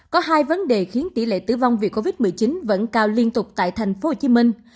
có hai vấn đề khiến tỷ lệ tử vong vì covid một mươi chín vẫn cao liên tục tại thành phố hồ chí minh